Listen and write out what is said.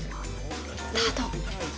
スタート